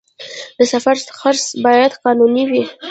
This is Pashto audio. د سفر خرڅ باید قانوني وي